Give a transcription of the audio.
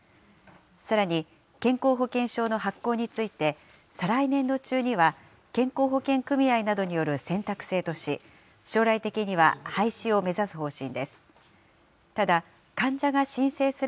さらに、健康保険証の発行について、再来年度中には健康保険組合などによる選択制とし、将来的には廃止を目指す方針です。